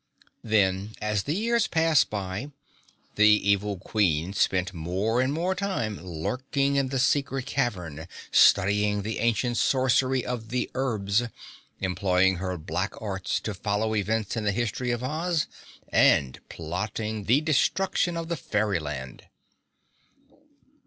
Then, as the years passed by, the evil Queen spent more and more time lurking in the secret cavern, studying the ancient sorcery of the Erbs, employing her black arts to follow events in the history of Oz and plotting the destruction of the fairyland.